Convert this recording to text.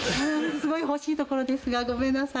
すごい欲しいところですがごめんなさい。